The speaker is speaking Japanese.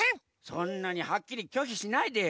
そんなにはっきりきょひしないでよ。